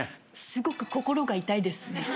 すごく心が痛いですね。